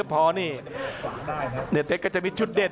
อัศวินาศาสตร์